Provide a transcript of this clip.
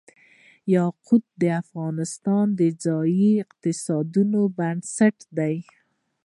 یاقوت د افغانستان د ځایي اقتصادونو بنسټ دی.